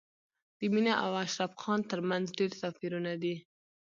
د مينې او اشرف خان تر منځ ډېر توپیرونه دي